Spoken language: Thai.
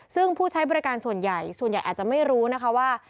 ซึ่งผู้ใช้บริการส่วนใหญ่ส่วนใหญ่อาจจะไม่รู้นะคะว่า